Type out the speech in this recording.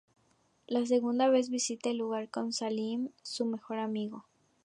La segunda vez visita el lugar con Salim, su mejor amigo.